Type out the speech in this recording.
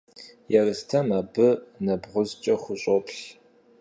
Ерстэм абы нэбгъузкӏэ хущӏоплъ.